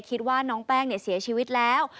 คิดว่าน้องแป้งเสียชีวิตแล้ว